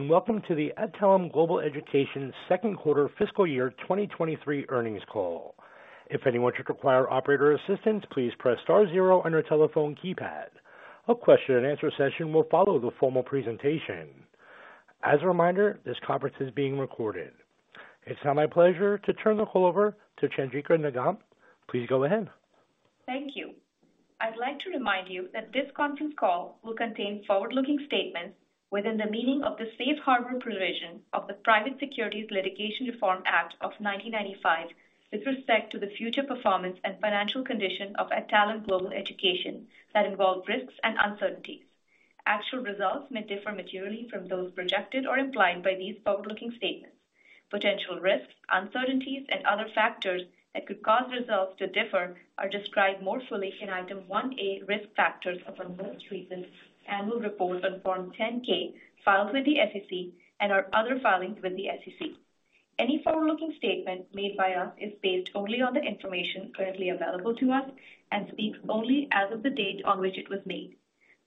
Welcome to the Adtalem Global Education Q2 fiscal year 2023 earnings call. If anyone should require operator assistance, please press star zero on your telephone keypad. A question-and-answer session will follow the formal presentation. As a reminder, this conference is being recorded. It's now my pleasure to turn the call over to Chandrika Nigam. Please go ahead. Thank you. I'd like to remind you that this conference call will contain forward-looking statements within the meaning of the Safe Harbor provision of the Private Securities Litigation Reform Act of 1995 with respect to the future performance and financial condition of Adtalem Global Education that involve risks and uncertainties. Actual results may differ materially from those projected or implied by these forward-looking statements. Potential risks, uncertainties, and other factors that could cause results to differ are described more fully in item 1A, Risk Factors, of our most recent annual report on Form 10-K filed with the SEC and our other filings with the SEC. Any forward-looking statement made by us is based only on the information currently available to us and speaks only as of the date on which it was made.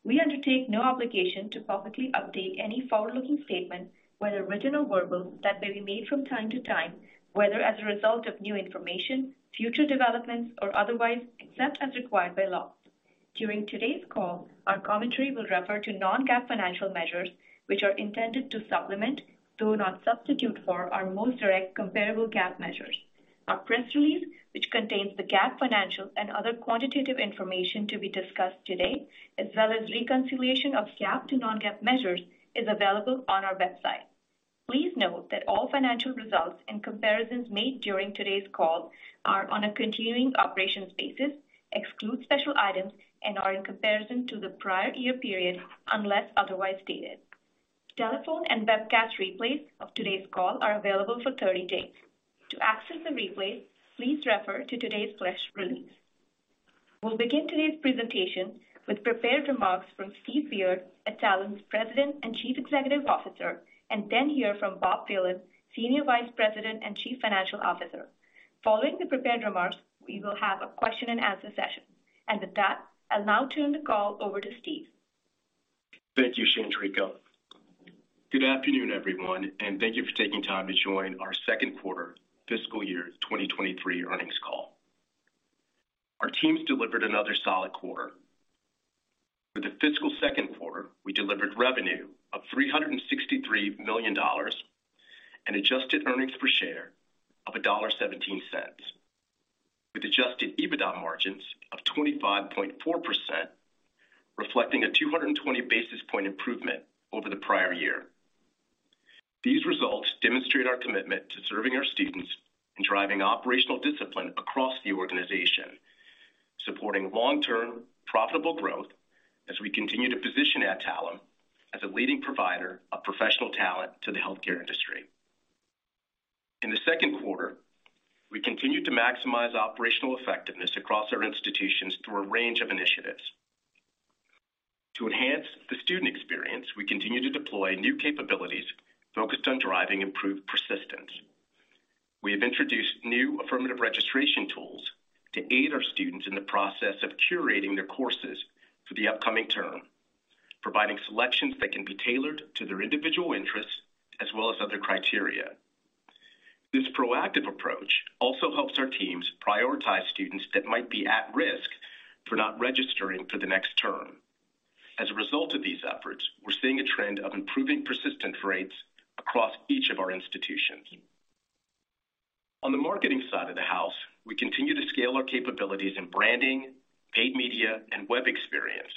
We undertake no obligation to publicly update any forward-looking statement, whether written or verbal, that may be made from time to time, whether as a result of new information, future developments, or otherwise, except as required by law. During today's call, our commentary will refer to non-GAAP financial measures, which are intended to supplement, though not substitute for, our most direct comparable GAAP measures. Our press release, which contains the GAAP financial and other quantitative information to be discussed today as well as reconciliation of GAAP to non-GAAP measures, is available on our website. Please note that all financial results and comparisons made during today's call are on a continuing operations basis, exclude special items, and are in comparison to the prior year period, unless otherwise stated. Telephone and webcast replays of today's call are available for 30 days. To access the replays, please refer to today's press release. We'll begin today's presentation with prepared remarks from Steve Beard, Adtalem's President and CEO, and then hear from Bob Phelan, SVP and CFO. Following the prepared remarks, we will have a question-and-answer session. With that, I'll now turn the call over to Steve. Thank you, Chandrika. Good afternoon, everyone, and thank you for taking time to join our Q2 fiscal year 2023 earnings call. Our teams delivered another solid quarter. For the fiscal Q2, we delivered revenue of $363 million and adjusted earnings per share of $1.17, with adjusted EBITDA margins of 25.4%, reflecting a 220 basis point improvement over the prior year. These results demonstrate our commitment to serving our students and driving operational discipline across the organization, supporting long-term profitable growth as we continue to position Adtalem as a leading provider of professional talent to the healthcare industry. In the Q2, we continued to maximize operational effectiveness across our institutions through a range of initiatives. To enhance the student experience, we continue to deploy new capabilities focused on driving improved persistence. We have introduced new affirmative registration tools to aid our students in the process of curating their courses for the upcoming term, providing selections that can be tailored to their individual interests as well as other criteria. This proactive approach also helps our teams prioritize students that might be at risk for not registering for the next term. As a result of these efforts, we're seeing a trend of improving persistence rates across each of our institutions. On the marketing side of the house, we continue to scale our capabilities in branding, paid media, and web experience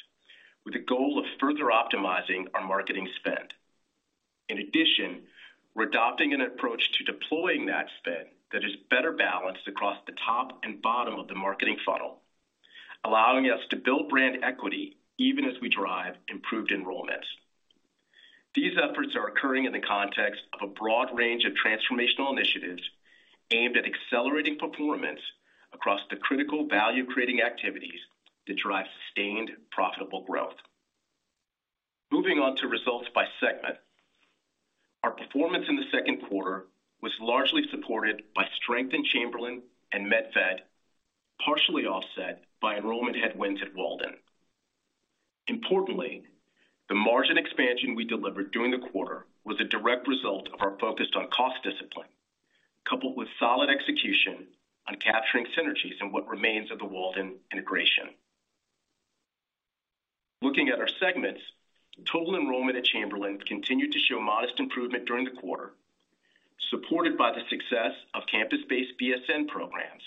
with the goal of further optimizing our marketing spend. In addition, we're adopting an approach to deploying that spend that is better balanced across the top and bottom of the marketing funnel, allowing us to build brand equity even as we drive improved enrollment. These efforts are occurring in the context of a broad range of transformational initiatives aimed at accelerating performance across the critical value-creating activities that drive sustained profitable growth. Moving on to results by segment. Our performance in Q2 was largely supported by strength in Chamberlain and Med/Vet, partially offset by enrollment headwinds at Walden. Importantly, the margin expansion we delivered during the quarter was a direct result of our focus on cost discipline, coupled with solid execution on capturing synergies in what remains of the Walden integration. Looking at our segments, total enrollment at Chamberlain continued to show modest improvement during the quarter, supported by the success of campus-based BSN programs,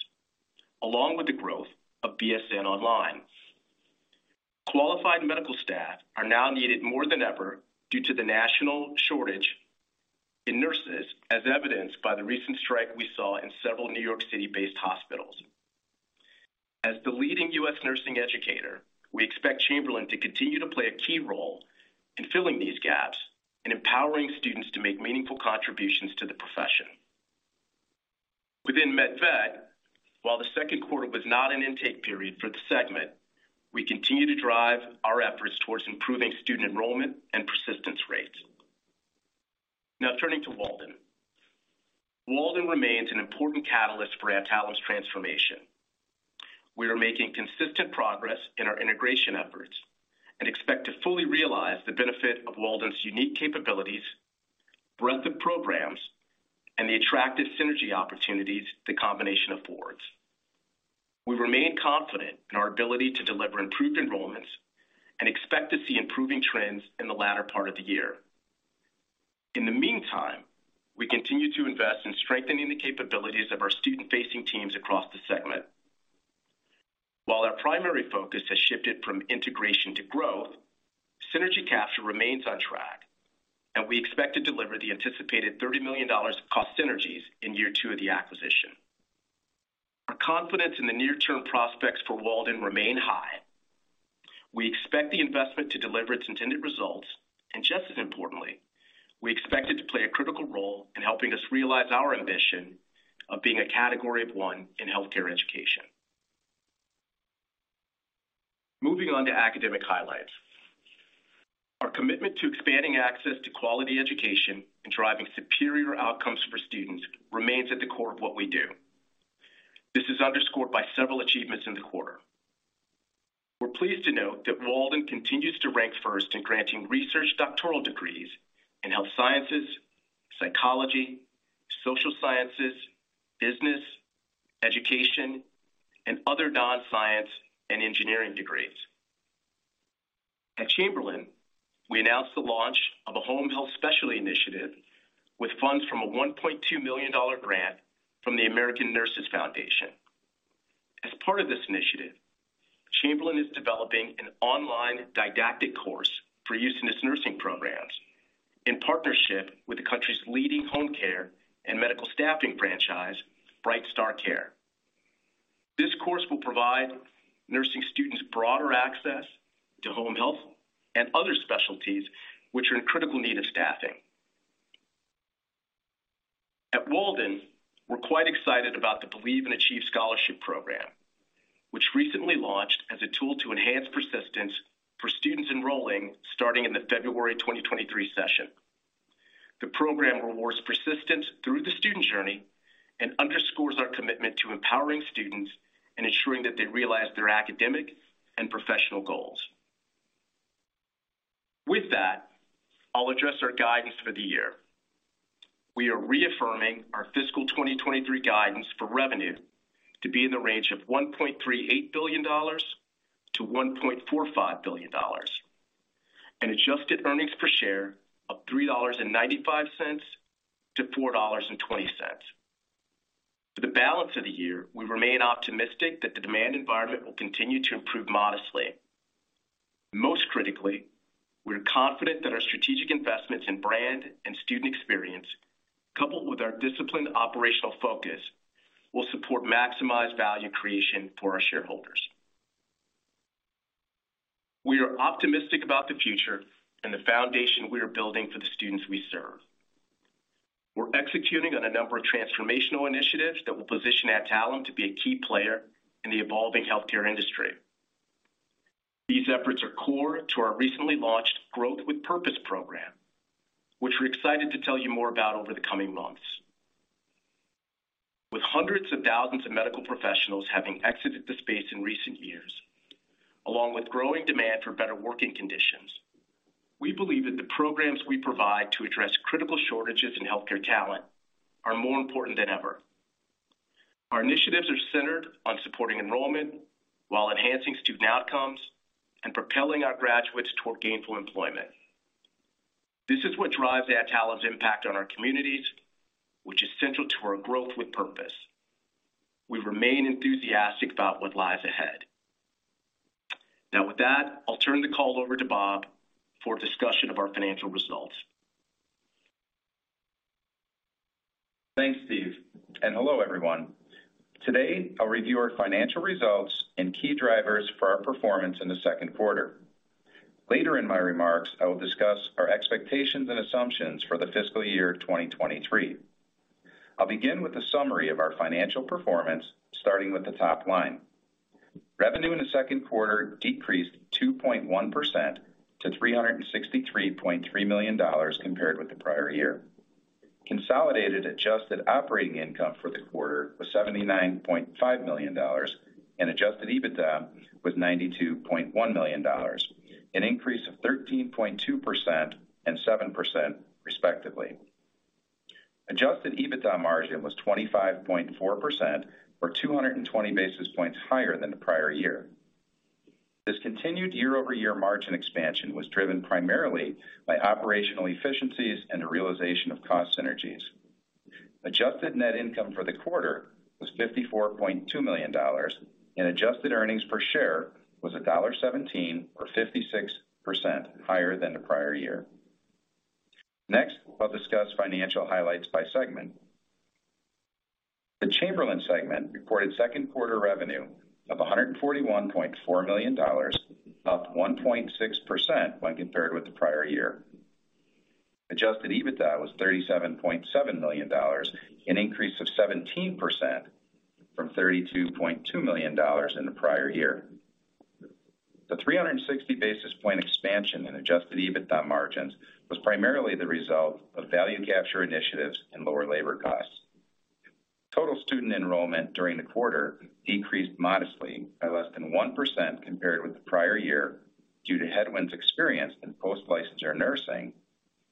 along with the growth of BSN Online. Qualified medical staff are now needed more than ever due to the national shortage in nurses, as evidenced by the recent strike we saw in several New York City-based hospitals. As the leading U.S. nursing educator, we expect Chamberlain to continue to play a key role in filling these gaps and empowering students to make meaningful contributions to the profession. Within Med/Vet, while the Q2 was not an intake period for the segment, we continue to drive our efforts towards improving student enrollment and persistence rates. Turning to Walden. Walden remains an important catalyst for Adtalem's transformation. We are making consistent progress in our integration efforts, and expect to fully realize the benefit of Walden's unique capabilities, breadth of programs, and the attractive synergy opportunities the combination affords. We remain confident in our ability to deliver improved enrollments and expect to see improving trends in the latter part of the year. In the meantime, we continue to invest in strengthening the capabilities of our student-facing teams across the segment. While our primary focus has shifted from integration to growth, synergy capture remains on track, and we expect to deliver the anticipated $30 million cost synergies in year two of the acquisition. Our confidence in the near-term prospects for Walden remain high. We expect the investment to deliver its intended results, and just as importantly, we expect it to play a critical role in helping us realize our ambition of being a category of one in healthcare education. Moving on to academic highlights. Our commitment to expanding access to quality education and driving superior outcomes for students remains at the core of what we do. This is underscored by several achievements in the quarter. We're pleased to note that Walden continues to rank first in granting research doctoral degrees in health sciences, psychology, social sciences, business, education, and other non-science and engineering degrees. At Chamberlain, we announced the launch of a home health specialty initiative with funds from a $1.2 million grant from the American Nurses Foundation. As part of this initiative, Chamberlain is developing an online didactic course for use in its nursing programs in partnership with the country's leading home care and medical staffing franchise, BrightStar Care. This course will provide nursing students broader access to home health and other specialties which are in critical need of staffing. At Walden, we're quite excited about the Believe and Achieve Scholarship Program, which recently launched as a tool to enhance persistence for students enrolling starting in the February 2023 session. The program rewards persistence through the student journey and underscores our commitment to empowering students and ensuring that they realize their academic and professional goals. With that, I'll address our guidance for the year. We are reaffirming our fiscal 2023 guidance for revenue to be in the range of $1.38 billion-$1.45 billion, and adjusted earnings per share of $3.95-$4.20. For the balance of the year, we remain optimistic that the demand environment will continue to improve modestly. Most critically, we're confident that our strategic investments in brand and student experience, coupled with our disciplined operational focus, will support maximized value creation for our shareholders. We are optimistic about the future and the foundation we are building for the students we serve. We're executing on a number of transformational initiatives that will position Adtalem to be a key player in the evolving healthcare industry. These efforts are core to our recently launched Growth with Purpose program, which we're excited to tell you more about over the coming months. With hundreds of thousands of medical professionals having exited the space in recent years, along with growing demand for better working conditions, we believe that the programs we provide to address critical shortages in healthcare talent are more important than ever. Our initiatives are centered on supporting enrollment while enhancing student outcomes and propelling our graduates toward gainful employment. This is what drives Adtalem's impact on our communities, which is central to our Growth with Purpose. We remain enthusiastic about what lies ahead. With that, I'll turn the call over to Bob for a discussion of our financial results. Thanks, Steve, and hello, everyone. Today, I'll review our financial results and key drivers for our performance in the Q2. Later in my remarks, I will discuss our expectations and assumptions for the fiscal year 2023. I'll begin with a summary of our financial performance, starting with the top line. Revenue in the Q2 decreased 2.1% to $363.3 million compared with the prior year. Consolidated adjusted operating income for the quarter was $79.5 million, and adjusted EBITDA was $92.1 million, an increase of 13.2% and 7% respectively. Adjusted EBITDA margin was 25.4% or 220 basis points higher than the prior year. This continued year-over-year margin expansion was driven primarily by operational efficiencies and a realization of cost synergies. Adjusted net income for the quarter was $54.2 million, and adjusted earnings per share was $1.17 or 56% higher than the prior year. Next, I'll discuss financial highlights by segment. The Chamberlain segment reported Q2 revenue of $141.4 million, up 1.6% when compared with the prior year. adjusted EBITDA was $37.7 million, an increase of 17% from $32.2 million in the prior year. The 360 basis point expansion in adjusted EBITDA margins was primarily the result of value capture initiatives and lower labor costs. Total student enrollment during the quarter decreased modestly by less than 1% compared with the prior year due to headwinds experienced in post-licensure nursing,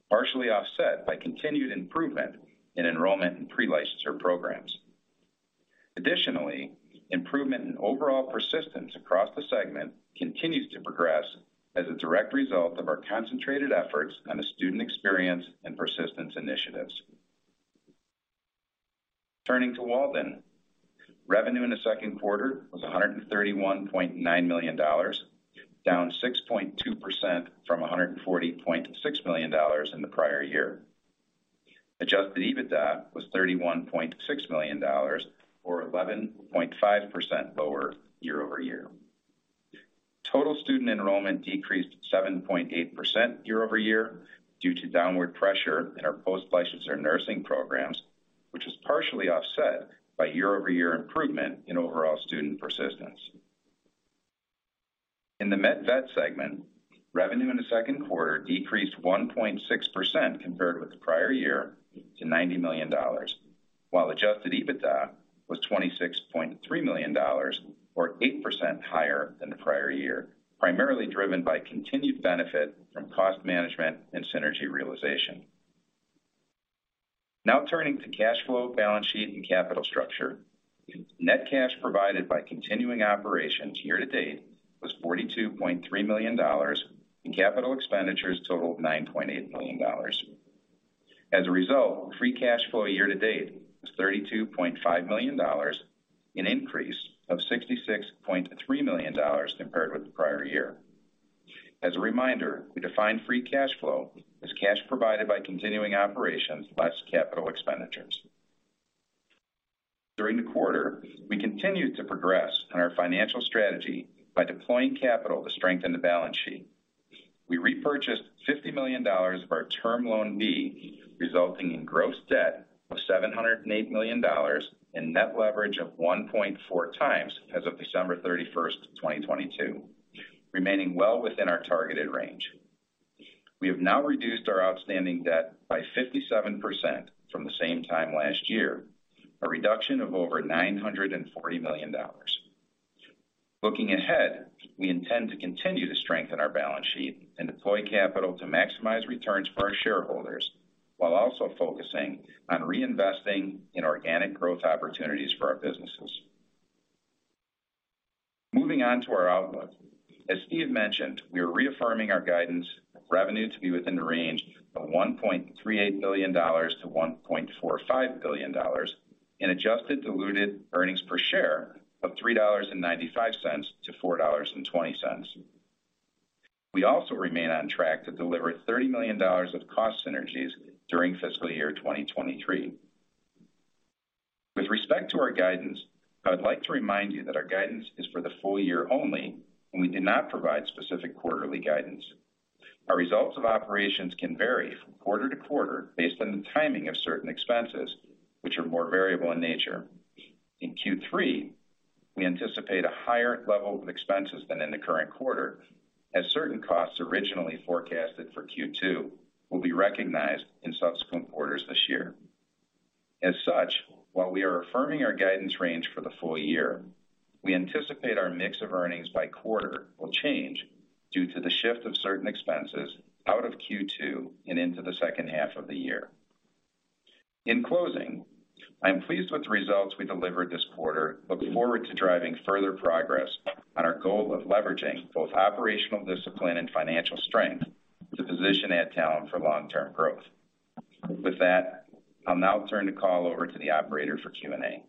partially offset by continued improvement in enrollment in pre-licensure programs. Additionally, improvement in overall persistence across the segment continues to progress as a direct result of our concentrated efforts on the student experience and persistence initiatives. Turning to Walden. Revenue in the Q2 was $131.9 million, down 6.2% from $140.6 million in the prior year. adjusted EBITDA was $31.6 million, or 11.5% lower year-over-year. Total student enrollment decreased 7.8% year-over-year due to downward pressure in our post-licensure nursing programs, which was partially offset by year-over-year improvement in overall student persistence. In the Med/Vet segment, revenue in the Q2 decreased 1.6% compared with the prior year to $90 million, while adjusted EBITDA was $26.3 million or 8% higher than the prior year, primarily driven by continued benefit from cost management and synergy realization. Turning to cash flow, balance sheet, and capital structure. Net cash provided by continuing operations year to date was $42.3 million, and capital expenditures totaled $9.8 million. As a result, free cash flow year to date was $32.5 million, an increase of $66.3 million compared with the prior year. As a reminder, we define free cash flow as cash provided by continuing operations less capital expenditures. During the quarter, we continued to progress on our financial strategy by deploying capital to strengthen the balance sheet. We repurchased $50 million of our Term Loan B, resulting in gross debt of $708 million and net leverage of 1.4 times as of December 31, 2022, remaining well within our targeted range. We have now reduced our outstanding debt by 57% from the same time last year, a reduction of over $940 million. Looking ahead, we intend to continue to strengthen our balance sheet and deploy capital to maximize returns for our shareholders, while also focusing on reinvesting in organic growth opportunities for our businesses. Moving on to our outlook. As Steve mentioned, we are reaffirming our guidance revenue to be within the range of $1.38 billion-$1.45 billion, and adjusted diluted earnings per share of $3.95-$4.20. We also remain on track to deliver $30 million of cost synergies during fiscal year 2023. With respect to our guidance, I'd like to remind you that our guidance is for the full year only, and we did not provide specific quarterly guidance. Our results of operations can vary from quarter to quarter based on the timing of certain expenses, which are more variable in nature. In Q3, we anticipate a higher level of expenses than in the current quarter, as certain costs originally forecasted for Q2 will be recognized in subsequent quarters this year. As such, while we are affirming our guidance range for the full year, we anticipate our mix of earnings by quarter will change due to the shift of certain expenses out of Q2 and into the second half of the year. In closing, I am pleased with the results we delivered this quarter. Look forward to driving further progress on our goal of leveraging both operational discipline and financial strength to position Adtalem for long-term growth. With that, I'll now turn the call over to the operator for Q&A.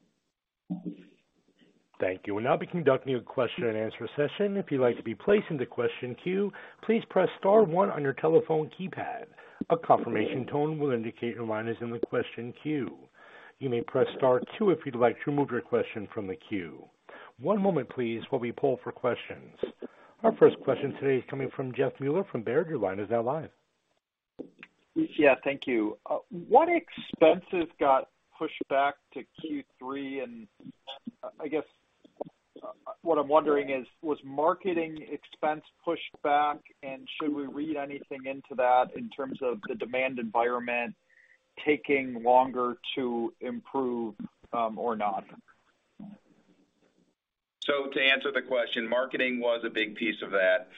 Thank you. We'll now be conducting a question and answer session. If you'd like to be placed into question queue, please press star one on your telephone keypad. A confirmation tone will indicate your line is in the question queue. You may press star two if you'd like to remove your question from the queue. One moment please while we poll for questions. Our first question today is coming from Jeffrey Meuler from Baird. Your line is now live. Yeah, thank you. What expenses got pushed back to Q3? I guess what I'm wondering is, was marketing expense pushed back, and should we read anything into that in terms of the demand environment taking longer to improve, or not? To answer the question, marketing was a big piece of that.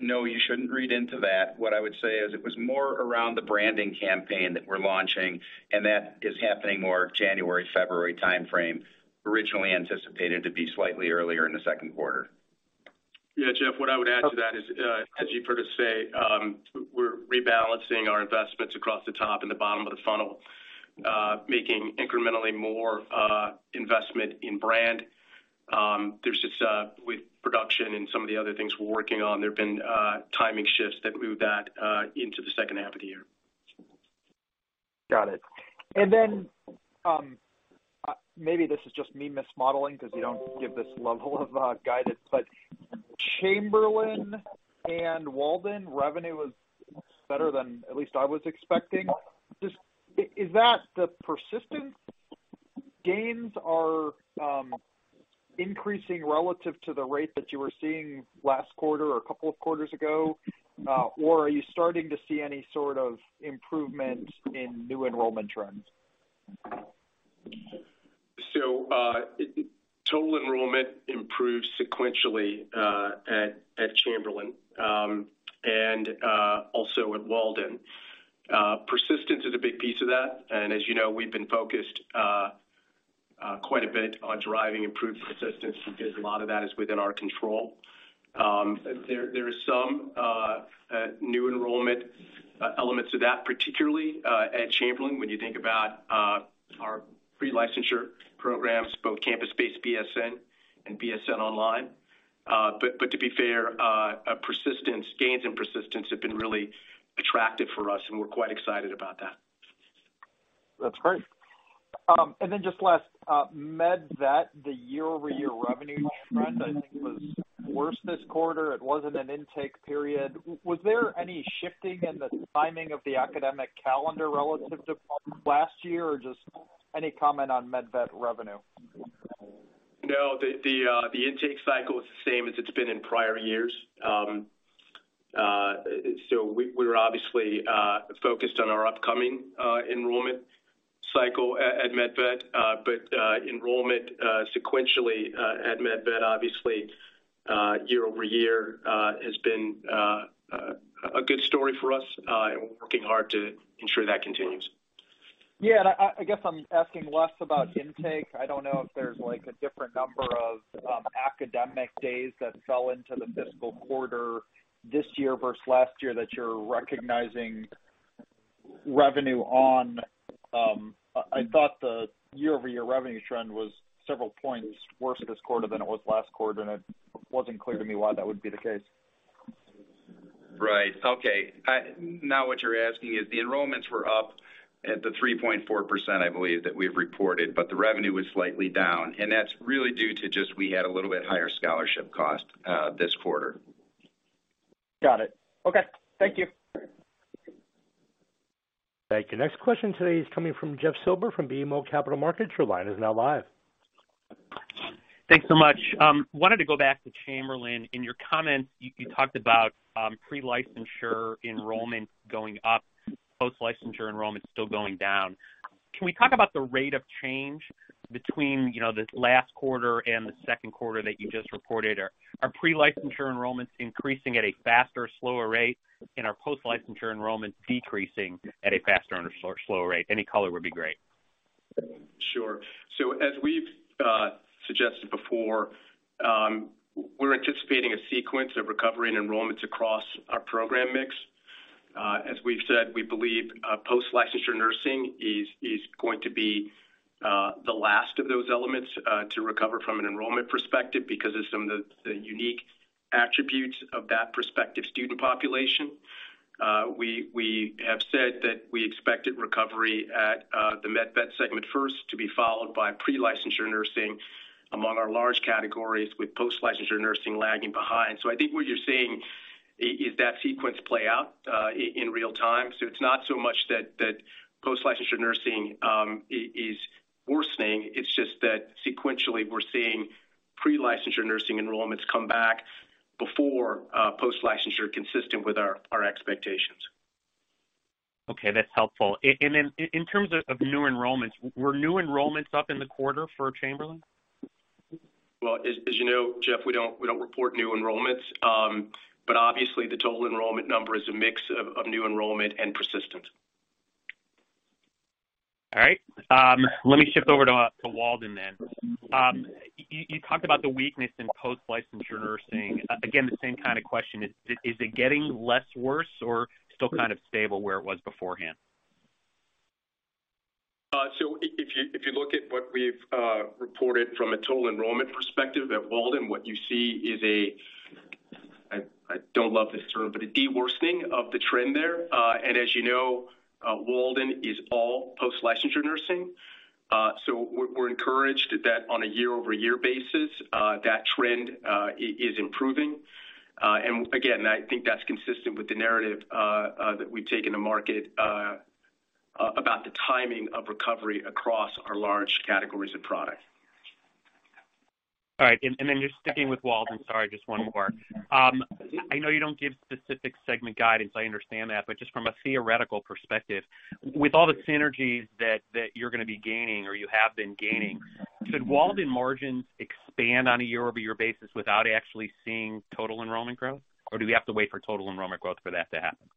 No, you shouldn't read into that. What I would say is it was more around the branding campaign that we're launching, and that is happening more January, February timeframe, originally anticipated to be slightly earlier in the Q2. Yeah. Jeff, what I would add to that is, as you've heard us say, we're rebalancing our investments across the top and the bottom of the funnel, making incrementally more investment in brand. There's just with production and some of the other things we're working on, there have been timing shifts that moved that into the second half of the year. Got it. Then, maybe this is just me mismodeling 'cause you don't give this level of guidance, but Chamberlain and Walden revenue was better than at least I was expecting. Just, is that the persistence-Gains are increasing relative to the rate that you were seeing last quarter or a couple of quarters ago? Are you starting to see any sort of improvement in new enrollment trends? Total enrollment improved sequentially at Chamberlain and also at Walden. Persistence is a big piece of that. As you know, we've been focused quite a bit on driving improved persistence because a lot of that is within our control. There is some new enrollment elements of that, particularly at Chamberlain, when you think about our pre-licensure programs, both campus-based BSN and BSN Online. But to be fair, persistence, gains and persistence have been really attractive for us, and we're quite excited about that. That's great. Just last, Med/Vet, the year-over-year revenue trend, I think was worse this quarter. It wasn't an intake period. Was there any shifting in the timing of the academic calendar relative to last year? Or just any comment on Med/Vet revenue? The intake cycle is the same as it's been in prior years. We're obviously focused on our upcoming enrollment cycle at Med/Vet. Enrollment sequentially at Med/Vet, obviously year-over-year, has been a good story for us, and we're working hard to ensure that continues. Yeah. I guess I'm asking less about intake. I don't know if there's, like, a different number of academic days that fell into the fiscal quarter this year versus last year that you're recognizing revenue on. I thought the year-over-year revenue trend was several points worse this quarter than it was last quarter. It wasn't clear to me why that would be the case. Right. Okay. what you're asking is the enrollments were up at the 3.4%, I believe, that we've reported, the revenue was slightly down, that's really due to just we had a little bit higher scholarship cost this quarter. Got it. Okay. Thank you. Thank you. Next question today is coming from Jeffrey Silber from BMO Capital Markets. Your line is now live. Thanks so much. Wanted to go back to Chamberlain. In your comments, you talked about, pre-licensure enrollment going up, post-licensure enrollment still going down. Can we talk about the rate of change between, you know, the last quarter and the Q2 that you just reported? Are pre-licensure enrollments increasing at a faster or slower rate? Are post-licensure enrollments decreasing at a faster or slower rate? Any color would be great. Sure. As we've suggested before, we're anticipating a sequence of recovery and enrollments across our program mix. As we've said, we believe post-licensure nursing is going to be the last of those elements to recover from an enrollment perspective because of some of the unique attributes of that prospective student population. We have said that we expected recovery at the Med/Vet segment first to be followed by pre-licensure nursing among our large categories, with post-licensure nursing lagging behind. I think what you're seeing is that sequence play out in real time. It's not so much that post-licensure nursing is worsening. It's just that sequentially, we're seeing pre-licensure nursing enrollments come back before post-licensure, consistent with our expectations. Okay, that's helpful. Then in terms of new enrollments, were new enrollments up in the quarter for Chamberlain? Well, as you know, Jeff, we don't report new enrollments. Obviously the total enrollment number is a mix of new enrollment and persistence. All right. Let me shift over to Walden then. You talked about the weakness in post-licensure nursing. Again, the same kind of question. Is it getting less worse or still kind of stable where it was beforehand? So if you look at what we've reported from a total enrollment perspective at Walden, what you see is a, I don't love this term, but a de-worsening of the trend there. As you know, Walden is all post-licensure nursing. We're encouraged that on a year-over-year basis, that trend is improving. Again, I think that's consistent with the narrative that we've taken to market about the timing of recovery across our large categories of product. All right. Just sticking with Walden, sorry, just one more. I know you don't give specific segment guidance, I understand that, but just from a theoretical perspective, with all the synergies that you're gonna be gaining or you have been gaining, should Walden margins expand on a year-over-year basis without actually seeing total enrollment growth? Do we have to wait for total enrollment growth for that to happen?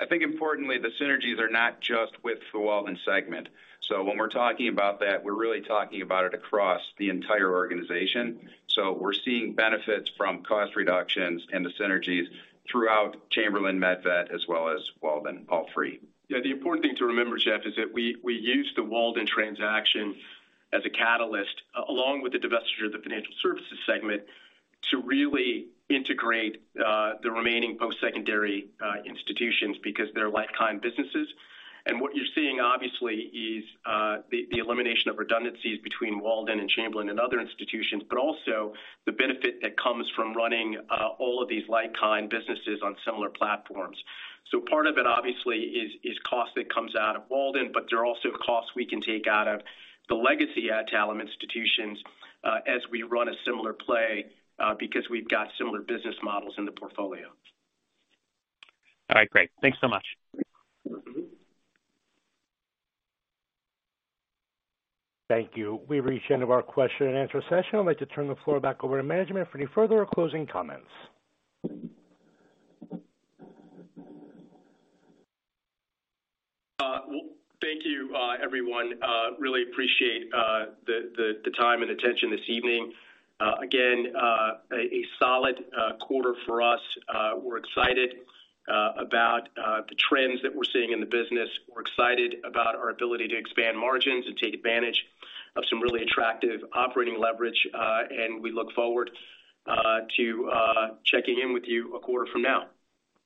I think importantly, the synergies are not just with the Walden segment. When we're talking about that, we're really talking about it across the entire organization. We're seeing benefits from cost reductions and the synergies throughout Chamberlain, Med/Vet, as well as Walden, all three. Yeah, the important thing to remember, Jeff, is that we use the Walden transaction as a catalyst, along with the divestiture of the financial services segment, to really integrate the remaining post-secondary institutions because they're like-kind businesses. What you're seeing, obviously, is the elimination of redundancies between Walden and Chamberlain and other institutions, but also the benefit that comes from running all of these like-kind businesses on similar platforms. Part of it obviously is cost that comes out of Walden, but there are also costs we can take out of the legacy Adtalem institutions as we run a similar play because we've got similar business models in the portfolio. All right. Great. Thanks so much. Thank you. We've reached the end of our question-and-answer session. I'd like to turn the floor back over to management for any further or closing comments. Well, thank you, everyone. Really appreciate the time and attention this evening. Again, a solid quarter for us. We're excited about the trends that we're seeing in the business. We're excited about our ability to expand margins and take advantage of some really attractive operating leverage. We look forward to checking in with you a quarter from now.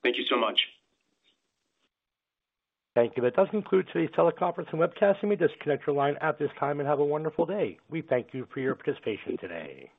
Thank you so much. Thank you. That does conclude today's teleconference and webcast. You may disconnect your line at this time and have a wonderful day. We thank you for your participation today.